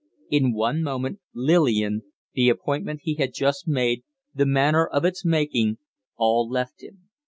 In one moment, Lillian, the appointment he had just made, the manner of its making all left him.